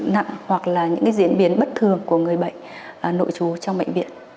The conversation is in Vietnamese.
nặng hoặc là những diễn biến bất thường của người bệnh nội chú trong bệnh viện